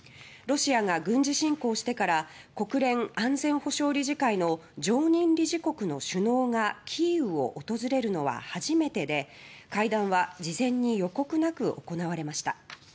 ロシアが軍事侵攻してから国連安全保障理事会の常任理事国の首脳がキーウを訪れるのは初めてで会談は事前に予告なく行われました。